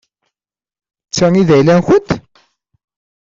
D ta i d ayla-nkent?